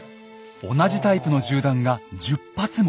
同じタイプの銃弾が１０発も。